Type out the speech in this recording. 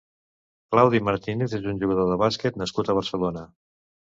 Claudi Martínez és un jugador de bàsquet nascut a Barcelona.